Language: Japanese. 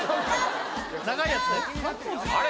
長いやつあれ